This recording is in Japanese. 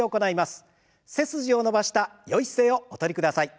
背筋を伸ばしたよい姿勢をお取りください。